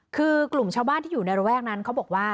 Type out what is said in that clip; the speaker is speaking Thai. คือกลุ่มชาวบ้านที่อยู่ในระแวกนั้นเขาบอกว่า